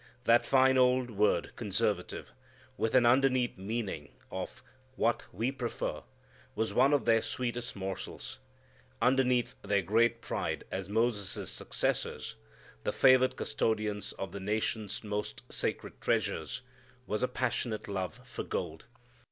That fine old word conservative (with an underneath meaning of "what we prefer") was one of their sweetest morsels. Underneath their great pride as Moses' successors, the favored custodians of the nation's most sacred treasures, was a passionate love for gold.